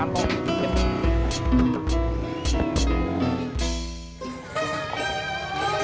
amplop di kampung ya